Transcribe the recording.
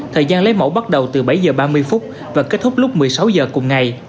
thời gian lấy mẫu bắt đầu từ bảy h ba mươi phút và kết thúc lúc một mươi sáu h cùng ngày